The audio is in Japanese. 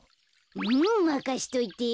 うんまかしといて。